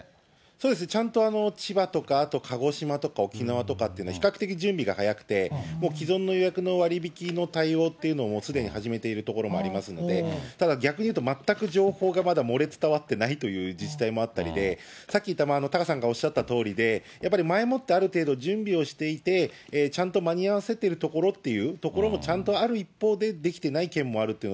そうですね、ちゃんと千葉とか、あと鹿児島とか沖縄とかというのは比較的準備が早くて、もう既存の予約の割引の対応というのもすでに始めている所もありますんで、ただ、逆に言うと、全く情報がまだ漏れ伝わっていないという自治体もあったりで、さっき言った、タカさんがおっしゃったとおりで、やっぱり、前もってある程度準備をしていて、ちゃんと間に合わせているところっていうところもちゃんとある一方で、できてない県もあるという。